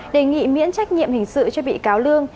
đề nghị miễn trách nhiệm hình sự cho bị cáo lương